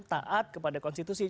taat kepada konstitusi